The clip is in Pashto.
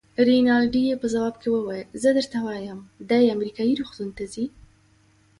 رینالډي یې په ځواب کې وویل: زه درته وایم، دی امریکایي روغتون ته ځي.